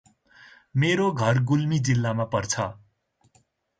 मेरो घर गुल्मी जिल्लामा पर्छ